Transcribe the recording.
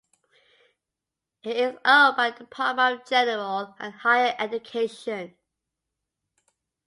It is owned by the Department of General and Higher Education.